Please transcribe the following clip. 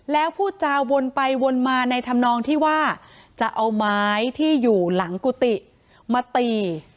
แล้วพูดจาวนไปวนมาในธรรมนองที่ว่าจะเอาไม้ที่อยู่หลังกุฏิมาตี